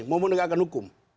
mau menegakkan hukum